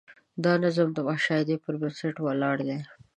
دا نظم د مشاهدې پر بنسټ ولاړ دی.